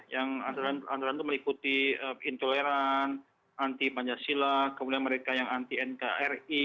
yang anggaran itu meliputi intoleran anti pancasila kemudian mereka yang anti nkri